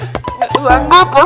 gak sanggup ustazah doyoi